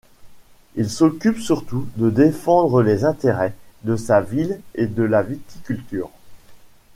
Il s'occupe surtout de défendre les intérêts de sa ville et de la viticulture.